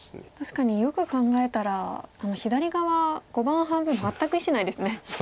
確かによく考えたら左側碁盤半分全く石ないですね。